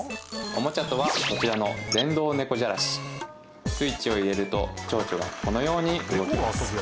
おもちゃとはこちらのスイッチを入れるとチョウチョがこのように動きます